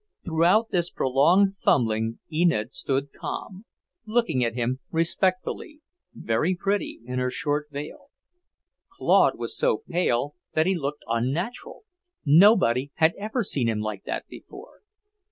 Throughout this prolonged fumbling Enid stood calm, looking at him respectfully, very pretty in her short veil. Claude was so pale that he looked unnatural, nobody had ever seen him like that before.